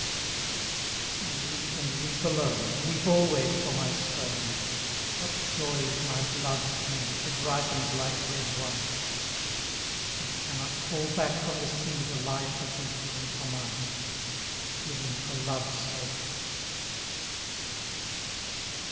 I weep and weep alone. Weep always for my stone. What joy is my blood to me If it ripens like red wine? It cannot call back from the sea The life that was given for mine. Given for Love's sake.